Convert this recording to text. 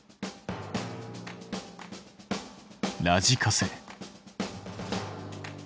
ラジカセ。